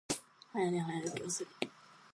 早寝、早起きをする。